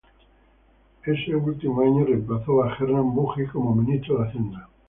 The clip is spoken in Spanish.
Ese último año reemplazó a Hernán Büchi como ministro de Hacienda.